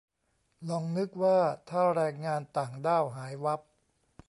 ลองนึกว่าถ้าแรงงานต่างด้าวหายวับ